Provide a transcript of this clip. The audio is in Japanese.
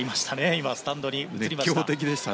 今、スタンドに映りました。